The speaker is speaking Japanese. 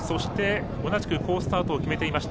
同じく好スタートを決めていました